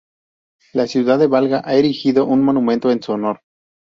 La ciudad de Valga ha erigido un monumento en su honor.